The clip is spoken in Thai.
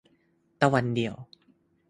ตะวันเดียว